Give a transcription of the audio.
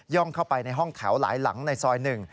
เข้าไปในห้องแถวหลายหลังในซอยหนึ่ง